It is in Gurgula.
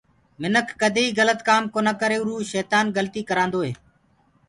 مٚنک ڪديئيٚ گلِت ڪآم ڪونآ ڪري اروُ شيتآن گلتيٚ ڪروآدوئي